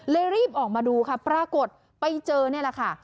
เลยรีบออกมาดูครับปรากฏไปเจอเนี่ยแหละค่ะ